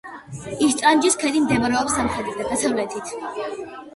ისტრანჯის ქედი მდებარეობს სამხრეთით და დასავლეთით.